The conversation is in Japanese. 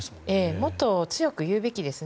もっと強く言うべきですね。